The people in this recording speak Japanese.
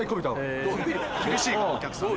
厳しいからお客さんが。